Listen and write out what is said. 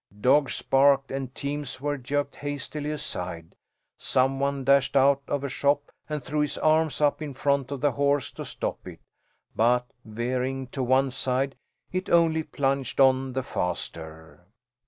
Dogs barked and teams were jerked hastily aside. Some one dashed out of a shop and threw his arms up in front of the horse to stop it, but, veering to one side, it only plunged on the faster.